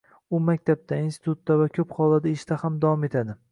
U maktabda, institutda va ko‘p hollarda ishda ham davom etadi.